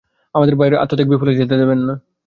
আমাদের ভাইয়ের আত্মত্যাগ বিফলে যেতে দেবেন না।